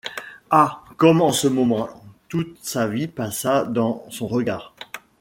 Ah ! comme en ce moment toute sa vie passa dans son regard !